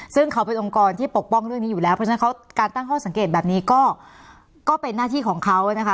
ซึ่งเขาเป็นองค์กรที่ปกป้องเรื่องนี้อยู่แล้วเพราะฉะนั้นเขาการตั้งข้อสังเกตแบบนี้ก็เป็นหน้าที่ของเขานะคะ